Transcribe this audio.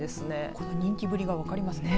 この人気ぶりが分かりますね。